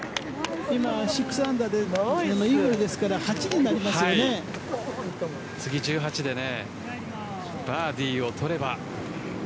今６アンダーでイーグルですから次、１８でバーディーを取れば。